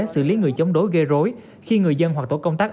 xử lý người chống đối gây rối khi người dân hoặc tổ công tác